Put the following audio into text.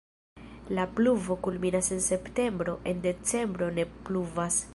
La pluvo kulminas en septembro, en decembro ne pluvas.